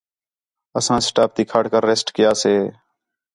اَساں سٹاپ تی کھڑ کر ریسٹ کَیا سے